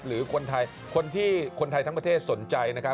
หรือคนไทยทั้งประเทศสนใจ